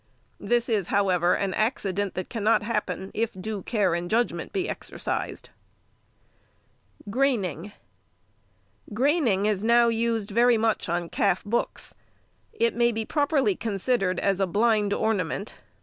This is, however, an accident that cannot happen if due care and judgment be exercised. Graining.—Graining is now used very much on calf books. It may be properly considered as a blind ornament.